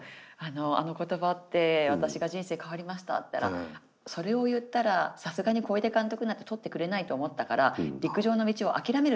「あの言葉で私が人生変わりました」って言ったら「それを言ったらさすがに小出監督なんて取ってくれないと思ったから陸上の道をあきらめると思ったから言ったんだ」